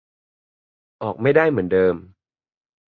ออกไม่ได้เหมือนเดิม